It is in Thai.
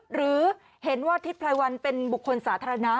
หรือเห็นว่าทิศไพรวันเป็นบุคคลสาธารณะ